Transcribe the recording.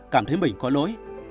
cảm thấy mình có lỗi